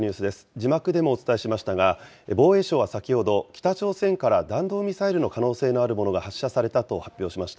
字幕でもお伝えしましたが、防衛省は先ほど、北朝鮮から弾道ミサイルの可能性のあるものが発射されたと発表しました。